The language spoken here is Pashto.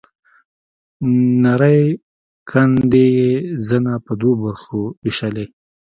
نرۍ کندې يې زنه په دوو برخو وېشلې.